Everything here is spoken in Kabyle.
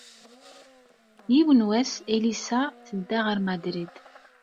Yiwen wass, Elisa tedda ɣer Madrid.